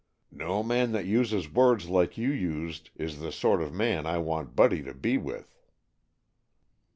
No man that uses words like you used is the sort of man I want Buddy to be with."